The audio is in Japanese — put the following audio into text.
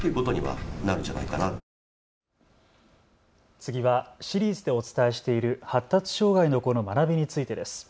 次はシリーズでお伝えしている発達障害の子の学びについてです。